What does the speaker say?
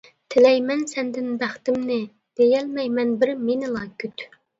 تىلەيمەن سەندىن بەختىمنى، دېيەلمەيمەن بىر مېنىلا كۈت.